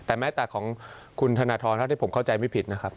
แต่แม้แต่ของคุณธนทรเท่าที่ผมเข้าใจไม่ผิดนะครับ